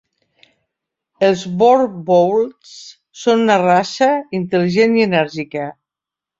Els "boerboels" són una raça intel·ligent i energètica.